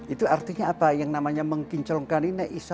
itu artinya apa yang namanya mengkinclongkan ini